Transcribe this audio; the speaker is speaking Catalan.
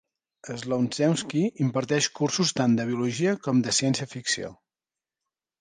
Slonczewski imparteix cursos tant de biologia com de ciència ficció.